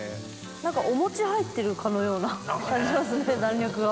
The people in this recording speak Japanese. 何かお餅入ってるかのような感じますね弾力を。